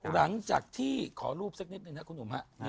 หลังจากที่ขอรูปสักนิดนึงนะคุณหนุ่มฮะ